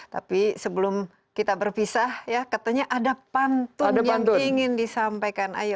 tapi sebelum kita berpisah ya katanya ada pantun yang ingin disampaikan ayo